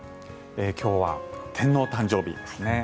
今日は天皇誕生日ですね。